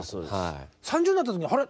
３０代になった時にあれ？